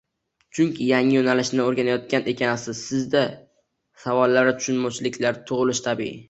Chunki yangi yo’nalishni o’rganayotgan ekansiz, Sizda savollar va tushunmovchiliklar tug’ilishi tabiiy